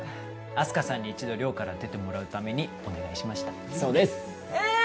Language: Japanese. あす花さんに一度寮から出てもらうためにお願いしましたそうですえ